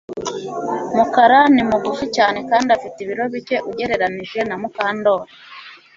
Mukara ni mugufi cyane kandi afite ibiro bike ugereranije na Mukandoli